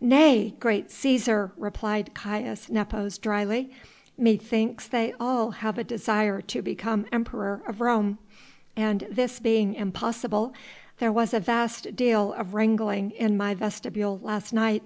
"Nay, great Cæsar!" replied Caius Nepos drily, "methinks they all have a desire to become Emperor of Rome, and this being impossible, there was a vast deal of wrangling in my vestibule last night.